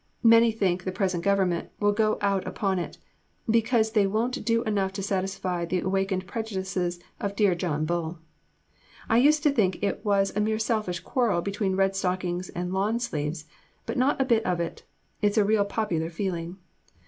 Many think the present Gov. will go out upon it, because they won't do enough to satisfy the awakened prejudices of dear John Bull. I used to think it was a mere selfish quarrel between red stockings and lawn sleeves; but not a bit of it; it's a real popular feeling.